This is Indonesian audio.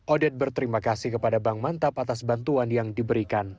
odet berterima kasih kepada bank mantap atas bantuan yang diberikan